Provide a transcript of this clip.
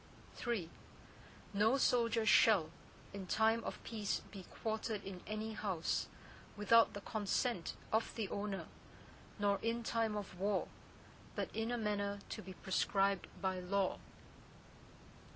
III No soldier shall, in time of peace be quartered in any house, without the consent of the owner, nor in time of war, but in a manner to be prescribed by law.